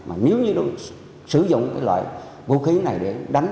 mà nếu như nó sử dụng cái loại vũ khí này để đánh